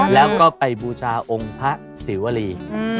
แล้วก็ไปบูชาองค์พระศิวรี